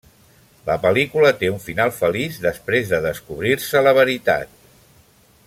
La pel·lícula té un final feliç després de descobrir-se la veritat.